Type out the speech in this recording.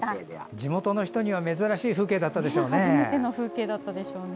地元の人には珍しい風景だったでしょうね。